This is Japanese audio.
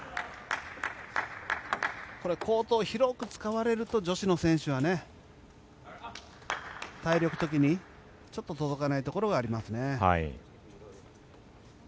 これはコートを広く使われると女子の選手は体力的にちょっと届かないところがありますね。